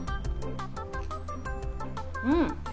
うん。